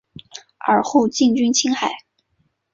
尔后进军青海。